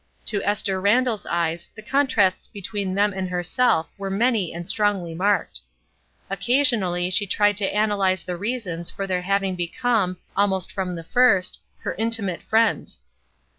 To Esther Randall's eyes the contrasts between them and herself were many and strongly marked. Occasionally she tried to analyze the reasons for their having become, almost from the first, her intimate friends.